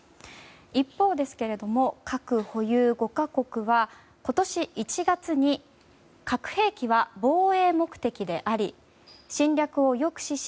一方ですが、核保有５か国は今年１月に核兵器は防衛目的であり侵略を抑止し